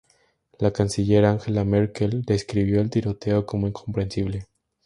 La Canciller Angela Merkel describió el tiroteo como "incomprensible".